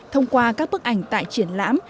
thông qua các bức ảnh tại triển lãm